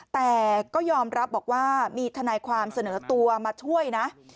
แต่ก็ยอมรับบอกว่ามีทนายความเสนอตัวมาช่วยนะ